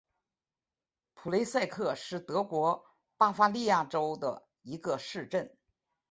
普雷塞克是德国巴伐利亚州的一个市镇。